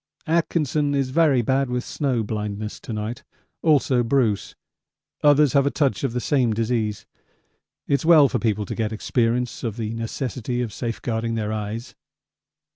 Atkinson is very bad with snow blindness to night; also Bruce. Others have a touch of the same disease. It's well for people to get experience of the necessity of safeguarding their eyes.